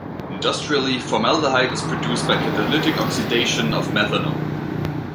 Industrially, formaldehyde is produced by catalytic oxidation of methanol.